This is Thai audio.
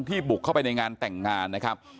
บุกเข้าไปในงานแต่งงานนะครับ